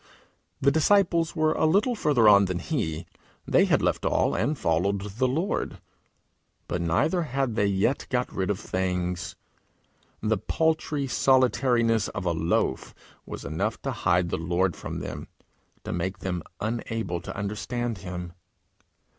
The disciples were a little further on than he; they had left all and followed the Lord; but neither had they yet got rid of Things. The paltry solitariness of a loaf was enough to hide the Lord from them, to make them unable to understand him.